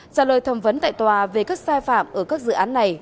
trả lời thẩm vấn tại tòa về các sai phạm ở các dự án này